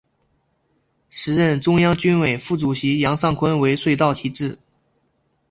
时任中央军委副主席杨尚昆为隧道题字。